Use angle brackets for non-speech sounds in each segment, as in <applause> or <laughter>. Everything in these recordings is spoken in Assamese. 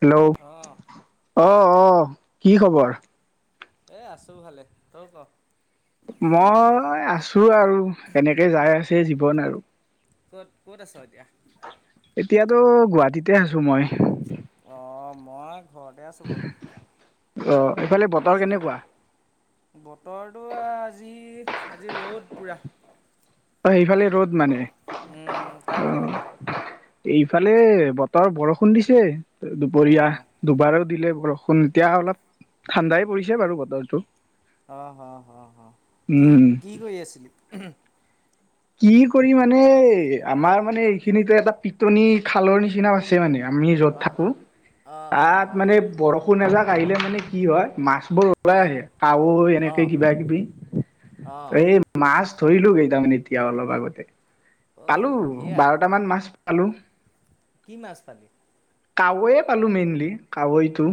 হেল্ল' অ', আহ আহ কি খবৰ? এ আছো ভালে, তই ক? মই আছো আৰু এনেকে যাই আছে জীৱন আৰু। ক'ত ক'ত আছ এতিয়া? এতিয়াতো গুৱাহাটীতে আছো মই। অ', মই ঘৰতে আছোঁ বাৰু। অ', এইফালে বতৰ কি ক কেনেকুৱা? বতৰটো আজি আজি ৰ'দ পুৰা। অ', সেইফালে ৰ'দ মানে। উম, তাত অ', কেনেকুৱা? এইফালে বতৰ বৰষুণ দিছে দুপৰীয়া অ', দুবাৰো দিলে। বৰষুণ এতিয়া অলপ ঠাণ্ডাই পৰিছে বাৰু বতৰটো। আহ হ হ হ কি উম। কি কৰি আছিলি? কি কৰি মানে আমাৰ মানে এইখিনিতো এটা পিটনি খালৰ নিচিনা আছে মানে। আমি য'ত অ', থাকো অ', অ', অ', তাত মানে বৰষু এযাক আহিলে মানে কি হয় মাছ বোৰ ওলাই অ', আহে কাৱৈ এনেকে অ', কিবা কিবি। অ', অ', এই মাছ ধৰিলো কেইটামানে এতিয়া অলপ আগতে। পালো বঢ়িয়া, বাৰটামান মাছ পালো। কি মাছ পালি। কাৱৈয়ে পালো মেইনলি কাৱৈতটো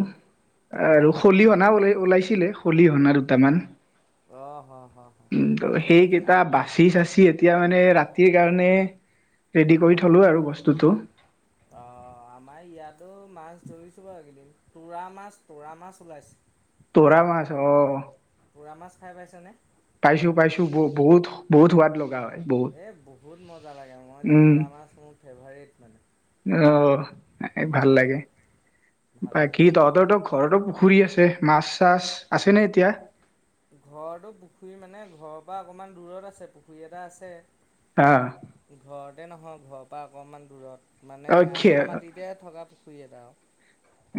আৰু অ', খলিহনা ওল ওলাইছে। খলিহনা দুটামান অ', হ', হ', হ', সেই কিতা আম অ', চাচি কি এতিয়া মানে ৰাতিৰ কাৰণে ৰেডি কৰি অ', থলোঁ আৰু বস্তুটো। ৰিছো তোৰা মাছ তোৰা মাছ ওলাইছে। তৰা মাছ অ'। তৰা মাছ খাই পাইছেনে? পাইছো পাইছো ব বহুত বহুত সোৱাদ লগা হয়। বহুত এই বহুত মজা লাগে মই যে তৰা মাছ মোৰ ফেভাৰট মানে। আহ ভাল উম, লাগে ভাল লাগে অ। বাকীতহতৰ ত ঘৰটো পুখুৰী আছে মাছ চাছ আছে নে এতিয়া? ঘৰতো পুখুৰী মানে ঘৰ অকণমান দূৰত আছে পুখুৰী এটা আছে। আহ। তাতে নহয় ঘৰৰ পৰা অকনমান দূৰত মানে অ', খে আমাৰ মাটিতে থকা পুখুৰী এটা আৰু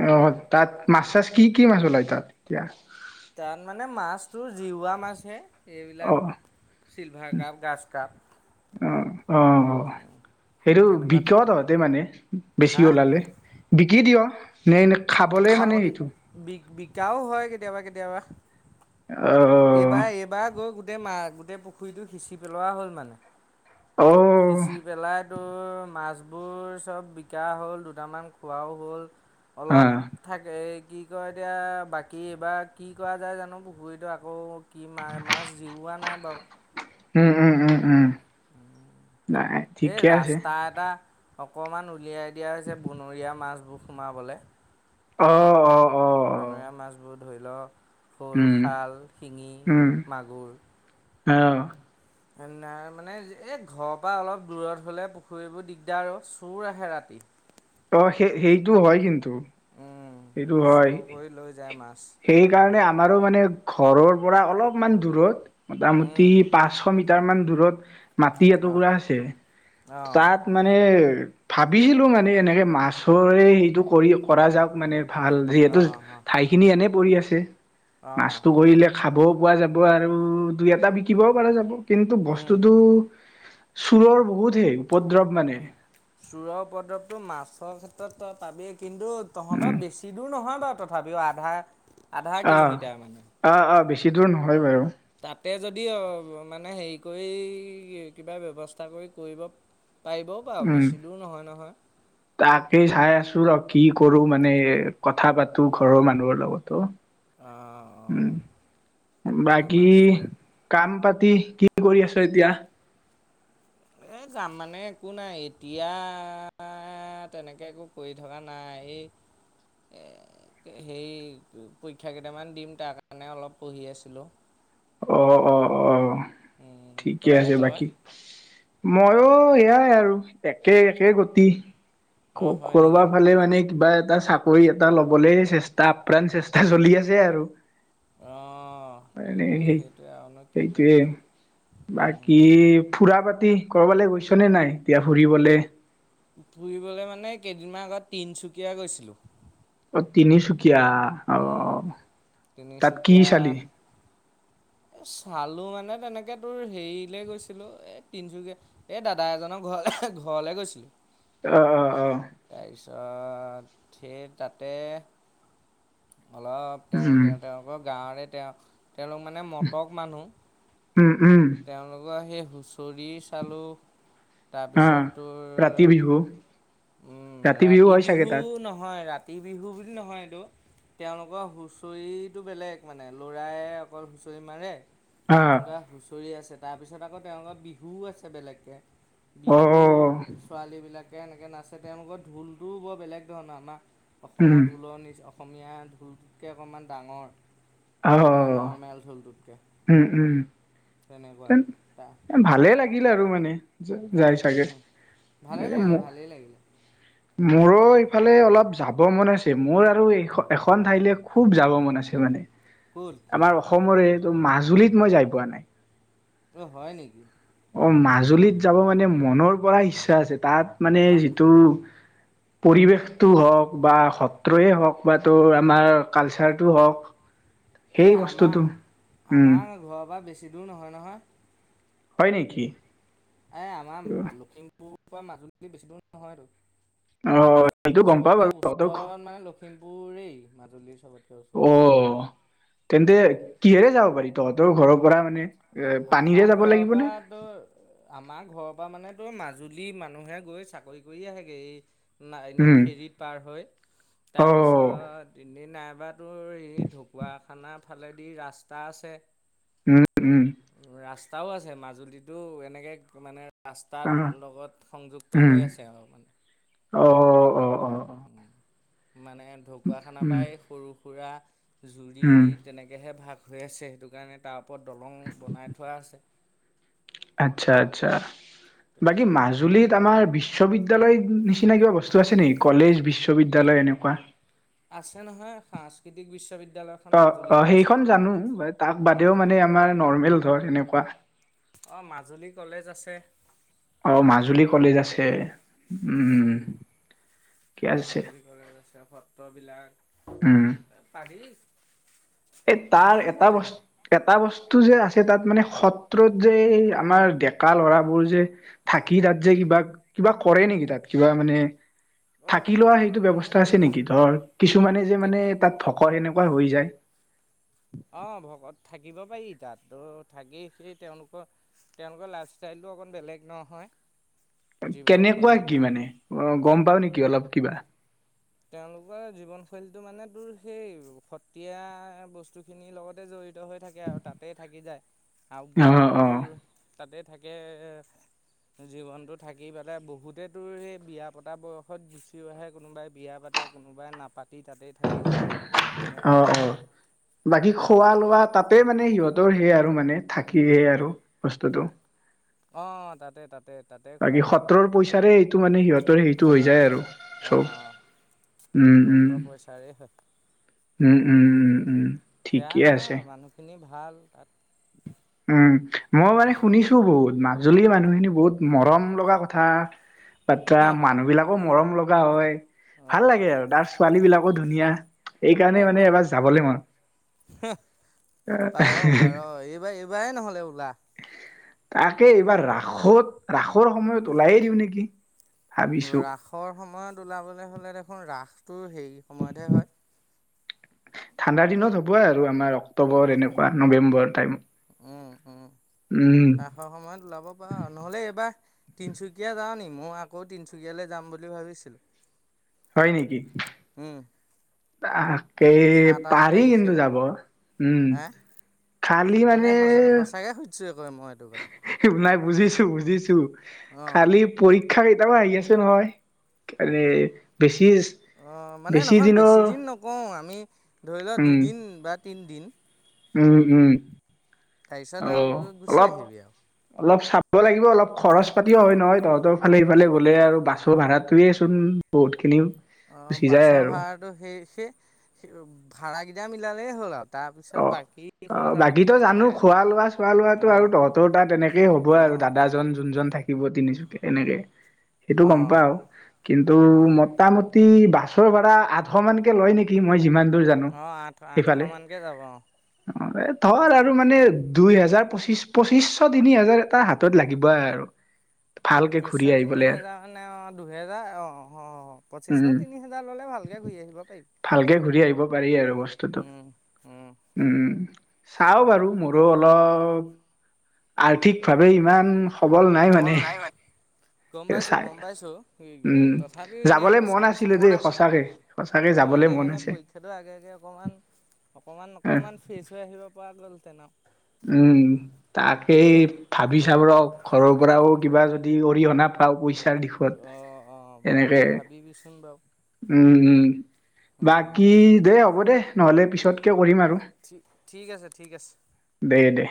আহ তাত মাছ চাছ কি কি মাছ ওলাই তাত এতিয়া। তাত মানে মাছতটো জিওৱা মাছ হে। এইবিলাক অ', চিলভাৰ কাপ গ্ৰাছ কাপ। অ', অ', অ'। সেইটো তেনেকুৱাত বিক তহঁতে মানে বেছি হা ওলালে বিকি দিয় নে এনে খাবলে মানে অ', সেইটো? বি বিকাও হয় কেতিয়াবা কেতিয়াবা। অ', এইবাৰ এইবাৰ গৈ গোট গোটেই মা গোটেই পুখুৰীটো সিচি পেলোৱা হ'ল মানে। অ', সিচি পেলাই তোৰ মাছবোৰ চব বিকা হ'ল দুটামান খোৱাও হ'ল আহ, অলপ এই কি কয় এতিয়া বাকী এইবাৰ কি কৰা যায় জানো পুখুৰীটো আকৌ কি মা মাছ জিওৱোৱা নাই বাৰু। উম, উম, উম, উম নাই এই ঠিকে আছে। ৰাস্তা এটা অকণমান উলিয়াই দিয়া হৈছে বনৰীয়া মাছবোৰ সোমাবলৈ অ অ অ অ', বনৰীয়া মাছবোৰ ধৰি লওক শ'ল উম, শাল শিঙি মাগুৰ অহ মানে এই ঘৰৰ পৰা অলপ দূৰত হ'লে পুখুৰীবোৰ দিগদাৰ আৰু চোৰ আহে ৰাতি অ সেই সেইটো হয় কিন্তু সেইটো হয় চোৰ কৰি লৈ যায় মাছ সেইকাৰণে আমাৰো মানে ঘৰৰ পৰা অলপমান দূৰত মোটামুটি উম, পাঁচশ মিটাৰ মান দূৰত মাটি অহ, এটুকুৰা আছে অহ, তাত মানে ভাবিছিলো মানে এনেকে মাছৰে সেইটো কৰি কৰা যাওক মানে ভাল যিহেতু অহ, ঠাইখিনি এনেই পৰি আছে অহ, মাছটো কৰিলে খাব পোৱা যাব আৰু দুই এটা বিকিবও প যাব কিন্তু উম। বস্তুতটো চোৰৰ বহুত হেই উপদ্ৰৱ মানে চোৰৰ উপ্ৰদ্ৰৱতটো মাছৰ ক্ষেত্ৰত পাবি কিন্তু উম তহঁতৰ বেছি দূৰ নহয় তথাপিও আধাৰ আহ আহ আহ বেছি দূৰ নহয় বাৰু তাতে যদি মানে হেৰি কৰি কিবা ব্যৱস্থা কৰি কৰিব পাৰিবও বাৰু উম বেছি দূৰ নহয় নহয় তাকেই চাই আছো ৰ কি কৰো মানে কথা পাতো ঘৰৰ মানুহৰ লগতো অহ, অহ, তেনেকে বাকি মাছটো কাম প কি কৰি আছ এতিয়া এ যাম মানে একো নাই এতিয়া এ তেনেকে একো কৰি থকা নাই এই সেই পৰীক্ষা কেইটামান দিম তাৰ কাৰণে অলপ পঢ়ি আছিলোঁ অ অ অ ঠিকে তই আছে তই বাকি মইো এয়াই আৰু একে একে গতি অঁ হয় কৰবা নেকি ফালে মানে কিবা এ এটা চাকৰি এটা লবলৈ চেষ্টা আপ্ৰাণ চেষ্টা চলি আছে আৰু আহ মানে সেইটোৱে সেই সেইটোৱে আৰুনো কি সেইটোৱে কৰিবি বাকী ফুৰা পাতি কৰবালৈ গৈছনেে নাই এতিয়া ফুৰিবলে ফুৰিবলৈ মানে কেইদিনমান আগত তিনচুকীয়া গৈছিলো অ তিনিচুকীয়া অ তাত কি চালি এ চালো মানে তেনেকে তোৰ হেৰিলে গৈছিলো এ তিনচুকীয়া এই দাদা এজনক ঘৰ ঘৰলে গৈছিলো অ অ অ তাৰপিছত সেই তাতে অলপ তেওঁ উম সিহ তেওঁলোকৰ গাঁৱৰে তেওঁ তেওঁলোক মানে মটক মানুহ উম উম তেওঁলোকৰ সেই হুঁচৰি চালো অ তাৰপিছত ৰাতি বিহু তোৰ ৰাতি হয় চাগে বিহু তাত নহয় ৰাতি ৰাতি বিহু বুলি নহয় এইটো তেওঁলোকৰ হুচৰিটো বেলেগ মানে লৰায় অকল হুচৰি মাৰে আহ এনেকুৱা হুঁচৰি আছে তাৰ পিছত আকৌ তেওঁলোকৰ বিহুও আছে বেলেগকে অ অ বিহুত ছোৱালীবিলাক এনেকৈ নাচে তেওঁলোকৰ ঢোলটোও বৰ বেলেগ ধৰণৰ আমাৰ উম অসমৰ ঢোলৰ নি অসমীয়া ঢোলটোতকৈ অকণমান ডাঙৰ আহ মানে নৰ্মেল ঢোলটোতকৈ উম উম তেনেকুৱা তা ভালে লাগিল আৰু মানে যে যাই চাগে ভালেই মনেকে লাগিলে ভালেই লাগিলে মোৰো ইফালে অলপ যাব মন আছে মোৰ আৰু এখন ঠাইলে খুব যাব মন আছে মানে ক'ত আমাৰ অসমৰেটো মাজুলীত মই যাই পোৱা নাই। অ, হয় নেকি? অ, মাজুলীত যাব মানে মনৰ পৰা ইচ্ছা আছে তাত মানে মা যিটো পৰিৱেশটো হওক বা সত্ৰই হওক বা ত আমাৰ কালচাৰটো হওক এই সেই বস্তুটো আমাৰ উম আমাৰ ঘৰৰ পৰা বেছি দূৰ নহয় - নহয়। হয় নেকি। এ আমাৰ লখিমপুৰ পৰা মাজুলী বেছি দূৰ অ নহয়তো সেইটো গম পাও চবতীয়া বাৰু তহঁতৰ ঘ ওচৰত মানে লখিমপুৰেই মাজুলীৰ চবতাৰ ওচৰত অ, তেন্তে উম কিহেৰে যাব পাৰি তহতৰ ঘৰৰ পৰা মানে এ পানীৰে আমাৰ যাব ঘৰৰ লাগিব ন। পৰা তোৰ আমাৰ ঘৰৰ পৰা মানে ত, মাজুলী মানুহে গৈ চাকৰি কৰি আহেগৈ ন এনেই উম ফেৰীত পাৰ হয় অ তাৰপিছত। এনে নাইবা তোৰ এই ঢকুৱাখানাৰ ফালেদি ৰাস্তা আছে। উম - উম। ৰাস্তাও আছে মাজুলীতো এনেকে মানে ৰাস্তাৰ অ লগত সংযুক্ত উম হৈ আছে আৰু মানে। অ- অ - অ - অ। উম মানে ঢকুৱাখানাৰ উম পৰাই সৰু সুৰা জুৰি উম তেনেকেহে ভাগ। হৈ আছে সেইটো কাৰণে তাৰ ওপৰত দলং বনাই থোৱা আছে। আচ্ছা আচ্ছা বাকী তেনেকে পাৰ হ'ব মাজুলীত আমাৰ বিশ্ববিদ্যয়ালয় নি চিন কিবা বস্তু আছে নেকি কলেজ বিশ্ববিদ্যালয় এনেকুৱা আছে নহয় সাংস্কৃতিক বিশ্ববিদ্যালয়। অ - অ সেইখন জানো তাক অ বাদেও মানে আমাৰ নৰ্মেল ধৰ এনেকুৱা অ, মাজুলী কলেজ আছে। অ, মাজুলী কলেজ আছে। উম, কি আছে। মাজুলী কলেজ আছে সত্ৰবিলাক উম পাৰি এই তাৰ ভাল এটা হয় বস জেগা এটা বস্তু যে আছে। তাত মানে সত্ৰত যে আমাৰ ডেকা লৰাবোৰ যে থাকি তাত যে কিবা কিবা কৰে নেকি তাত কিবা মানে অ থাকি লোৱা সত্ৰত সেইটো মানে ব্যয়ৱস্থা তোৰ আছে নেকি ধৰ কিছুমানে যে কেত মানে তাত ভকৰ এনেকুৱা পাৰ হৈ যায়। অ, ভকত থাকিব পাৰি তাতো থাকি সেই তেওলোকৰ তেওলোকৰ লাইফষ্টাইলতটো অকণ বেলেগ নহয়। কেনেকুৱা জীৱনশৈলীটো কি মানে গম পাও নেকি অলপ কিবা? তেওলোকৰ জীৱনশৈলীতটো মানে তোৰ সেই সতীয়া বস্তু খিনিৰ লগতে জঢ়িত। হৈ থাকে আৰু তাতেই থাকি যায় আৰু অ বহুত অ দৰ তাতে থাকে জীৱনতটো থাকি পেলাই বহুতেতো সেই বিয়া পতা বয়সত গুচিহে কোনোবাই বিয়া পাতে কোনোবাই নাপাতি তাতেই থাকি যায়। অ তেনেকুৱা - অ থাকে বাকী খোৱা লোৱা তাতে মানে সিহতৰ সেয় আৰু আৰু মানে থাকিে আৰু বস্তুটো অ, তাতে - তাতে। তাতে খোৱা বাকী লোৱা সত্ৰৰ পইচাৰে এইটো মানে সিহতৰ সেইটো হৈ অঁ যায় আৰু অঁ চব। অঁ সেইটো উম উম সত্তৰ পইচাৰে উম - উম - উম - উম বেয়া ঠিকেই নহয় আছে। মানুহখিনি ভাল তাত। উম, মই মানে উম শুনিছো বহুত মাছ মাজুলী মানুহখিনি বহুত মৰম লগা কথা বাতা অ মানুহ বিলাকো মৰম লগা হয় অ ভাল লাগে আৰু তাৰ ছোৱালী বিলাকো ধুনীয়া সেইকাৰণে মানে এবাৰ যাবলৈ ম আৰু লাহ তাকে এইবাৰ ৰাসত ৰাসৰ সময়ত ওলাইে দিওঁ নেকি ভাবিছো ৰাসৰ সময়ত ওলাবলৈ হ'লে দেখোন ৰাসটো হেৰি সময়তহে হয় ঠাণ্ডাৰ দিনত হ'ব আৰু আমাৰ উম অক্টোবৰ এনেকুৱা নৱেম্বৰ টাইমত উম উম উম আশৰ সময়ত ওলাব পাৰা নহ'লে এইবাৰ তিনিচুকীয়া যা নি মই আকৌ তিনিচুকীয়ালৈ যাম বুলি ভাবিছিলোঁ হয় নেকি উম তাকে এই সাত আঠ পাৰি তাৰিখে কিন্তু যাব উম হা খালী মানে সঁচা সঁচাকৈ সুধিছোঁ আকৌ মই এইটো কথা নাই বুজিছোঁ বুজিছোঁ অঁ খালি প শিক্ষা কেইটাও আহি আছে নহয় এনে বেছি অ মানে বেছি নহয় দিনৰ বেছিদিন নকওঁ আমি ধৰি লোৱা উম দুদিন বা তিনিদিন উম উম তাৰপিছত অ গুচি অলপ আহিবি আৰু অলপ চ দিব লাগিব অলপ খৰচ পাতিও হয় নহয় তহঁতৰ ফালে সফালে গলে আৰু বাছো ভাড়াত তাকোৱেচোন বহুতখিনি অ বাছৰ ভাড়াটো সেই সেই ভাড়াকেইটা মিলালেই হ'ল আৰু তাৰপিছত অ বাকী অ খৰচা পাতি বাকীতো কথা জানো নাই খোৱা তাত লোৱা চোৱা লোৱাাতটো আৰু অঁ তহঁতৰ তাত তেনেকেই হ'ব আৰু অঁ দাদাজন যোনজন থাকে থাকিব তিনিচুকীয়া এনেকে সেইটো গম অঁ পা আৰু কিন্তু অঁ মোটামুটি বাছৰ ভাৰা আঠশ মানকে লয় নেকি মই যিমান দূৰ জানো অঁ আঠ সেইফালে অ <unintelligible> ধৰ আৰু মানে দুই হোজাৰ পঁচিছ পঁচিশ তিনি হোজাৰ এটা হাতত লাগিবই আৰু ভালকে ঘূৰি পইচা তিনি আহিবলে আৰু হেজাৰ নে অ দুহেজাৰ অ অ উম পঁচিছশ তিনি হেজাৰ ললে ভালকে আহিবা পাই তে ঘূৰি আহিব পাৰি আৰু বস্তুটো উম উম চাওঁ বাৰু মোৰো অলপ আৰ্থিক ভাৱে ইমান সবল নাই মানে গম সেইটো পাইছো চাই গম পাইছো উম তথাপিও এনে যাবলে এবাৰ মন আছিলে চাবিচোন দেই সঁচাকে সঁচাকে অ যাবলে এনেই মন মানে আছে পৰীক্ষাটো আগে আগে অকণমান অকণমান অকণমান ফ্ৰেছ হৈ আহিব পৰা গ'লহেতেন আৰু উম তাকেই ভাবি চাব ৰ ঘৰৰ পৰাও কিবা যদি অৰিহণা পাওঁ পইচাৰ দিশত অ অ ভাবি এনেকে ভাবিবিচোন বাৰু উম উম বাকী দেেই হ'ব দে নহলে পিছতকে কৰিম আৰু ঠিক আছে ঠিক আছে দে দে